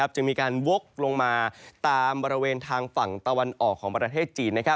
จะมีการวกลงมาตามบริเวณทางฝั่งตะวันออกของประเทศจีน